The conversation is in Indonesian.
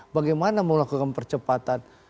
bagaimana melakukan percepatan